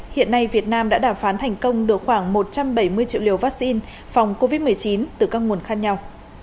hiện nay việt nam đã đàm phán thành công được khoảng một trăm bảy mươi triệu liều vaccine phòng covid một mươi chín từ các nguồn khác nhau